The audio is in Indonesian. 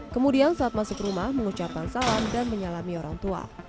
kemudian saat masuk rumah mengucapkan salam dan menyalami orang tua